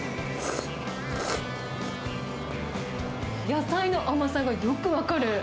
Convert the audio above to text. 野菜の甘さがよく分かる。